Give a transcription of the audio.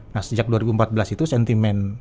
nah sejak dua ribu empat belas itu sentimen